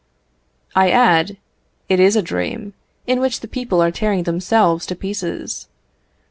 I add, it is a dream, in which the people are tearing themselves to pieces.